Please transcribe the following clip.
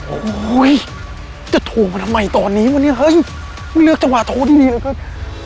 โอ้ยจะโทรมาทำไมตอนนี้วะเนี้ยเฮ้ยไม่เลือกเจ้าหว่าโทรดีดีเลยเบิร์ด